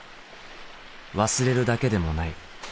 忘れるだけでもない。